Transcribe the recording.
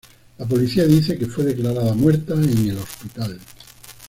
La policía dice que fue declarada muerta en el hospital.